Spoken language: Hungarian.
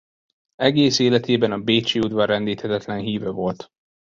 Egész életében a bécsi udvar rendíthetetlen híve volt.